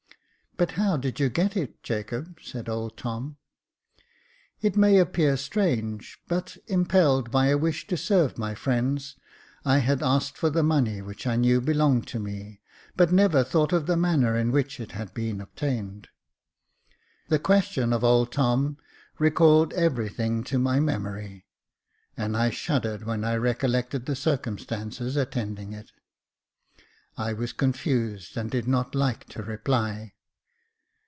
" But how did you get it, Jacob ?" said old Tom. It may appear strange, but, impelled by a wish to serve I Jacob Faithful 319 my friends, I had asked for the money which I knew belonged to me, but never thought of the manner in which it had been obtained. The question of old Tom recalled everything to my memory, and I shuddered when I recollected the circumstances attending it. I was con fused and did not like to reply.